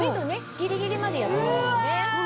ギリギリまでやってますよね。